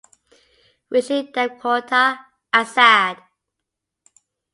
Rishi Devkota (Azad).